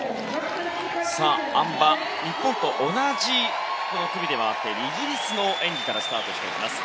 あん馬、日本と同じ組で回っているイギリスの演技からスタートしていきます。